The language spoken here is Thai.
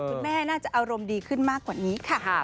คุณแม่น่าจะอารมณ์ดีขึ้นมากกว่านี้ค่ะ